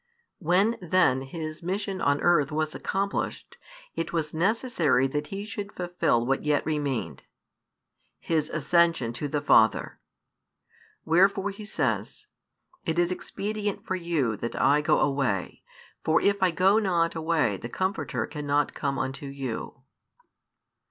When then His mission on earth was accomplished, it was necessary that He should fulfil what yet |443 remained His Ascension to the Father. Wherefore He says: It is expedient for you that I go away, for if I go not away the Comforter cannot come unto you.